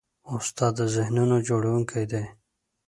استاد د ذهنونو جوړوونکی دی.